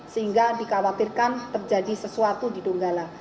sehingga dikhawatirkan terjadi sesuatu di donggala